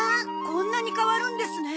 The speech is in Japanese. こんなに変わるんですね。